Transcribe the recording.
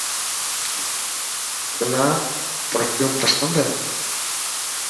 تنا پرفيوم پسند هي.